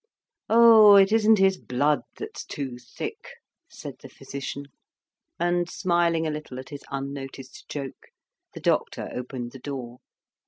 "Oh, it isn't his blood that's too thick," said the physician. And, smiling a little at his unnoticed joke, the doctor opened the door.